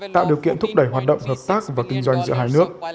tạo điều kiện thúc đẩy hoạt động hợp tác và kinh doanh giữa hai nước